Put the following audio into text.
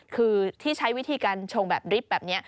คือที่ใช้วิธีการชงแบบริบแบบนี้